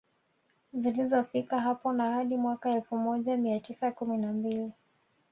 Zilizofika hapo na hadi mwaka elfu moja mia tisa kumi na mbili